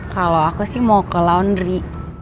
kalau aku sih mau ke laundry